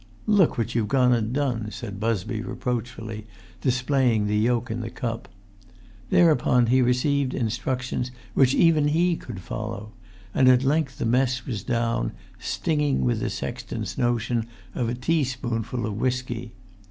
"Look what you've gone and done," said Busby, reproachfully, displaying the yolk in the cup. Thereupon he received instructions which even he could follow; and at length the mess was down, stinging with the sexton's notion of a teaspoonful of whisky.